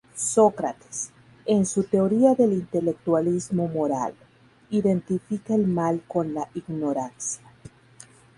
Sócrates, en su teoría del intelectualismo moral, identifica el mal con la ignorancia.